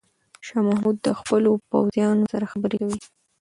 شاه محمود د خپلو پوځیانو سره خبرې کوي.